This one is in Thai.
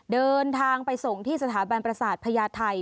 เดินทางไปส่งที่สถาบันประสาทพญาไทย